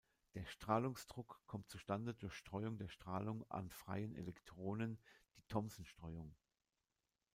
Der Strahlungsdruck kommt zustande durch Streuung der Strahlung an freien Elektronen, die Thomson-Streuung.